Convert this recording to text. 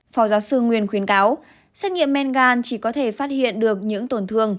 phòng giáo sư nguyễn khuyến cáo xét nghiệm men gan chỉ có thể phát hiện được những tổn thương